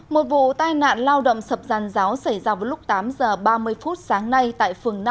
một vụ tai nạn lao động sập giàn giáo xảy ra vào lúc tám h ba mươi phút sáng nay tại phường năm